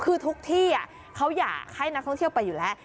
คือทุกที่เขาอยากให้นักท่องเที่ยวไปอยู่แล้ว